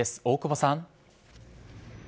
大久保さん。